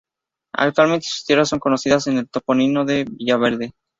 Actualmente sus tierras son conocidas con el topónimo de "Villaverde".